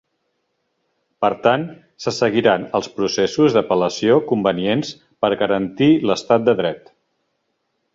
Per tant, se seguiran els processos d'apel·lació convenients per garantir l'estat de dret.